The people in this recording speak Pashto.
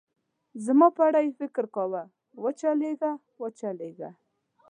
زما په اړه یې فکر کاوه، و چلېږه، و چلېږه.